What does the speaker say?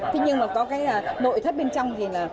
thế nhưng mà có cái nội thất bên trong thì là